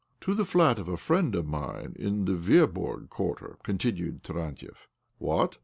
" To the flat of a friend of mine in the Veaborg Quarter," continued Tarantiev. " What